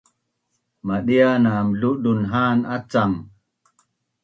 madia nam ludun ha’an acang